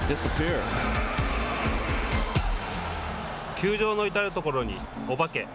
球場の至る所に、おばけ。